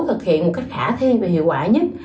thực hiện một cách khả thi và hiệu quả nhất